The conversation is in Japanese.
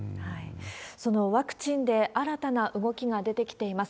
そのワクチンで、新たな動きが出てきています。